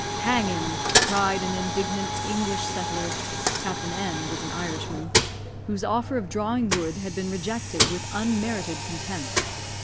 "Hang him!" cried an indignant English settler (Captain N was an Irishman), whose offer of drawing wood had been rejected with unmerited contempt.